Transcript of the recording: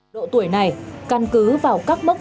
độ tuổi này căn cứ vào các phương tiện